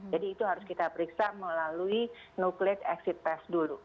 jadi itu harus kita periksa melalui nucleic exit test dulu